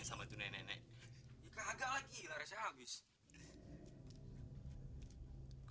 tapi tuh nenek nenek